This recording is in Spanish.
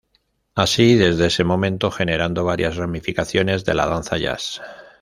Así desde ese momento generando varias ramificaciones de la danza jazz.